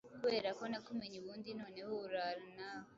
Kuberako nakumenye ubundi noneho uraa nawe